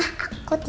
baca buku cerita ya